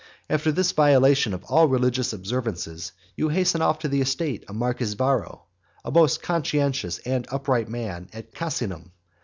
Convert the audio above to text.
After this violation of all religious observances, you hasten off to the estate of Marcus Varro, a most conscientious and upright man, at Casinum.